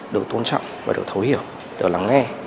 được tôn trọng và được thấu hiểu được lắng nghe